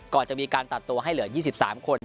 ก่อนจะมีการตัดตัวให้เหลือ๒๓คน